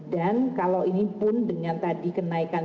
dan kalau ini pun dengan tadi kenaikan